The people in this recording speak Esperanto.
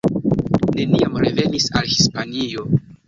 Neniam revenis al Hispanio.